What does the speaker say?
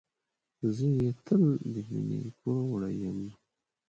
زه یې تل د مینې پوروړی یم.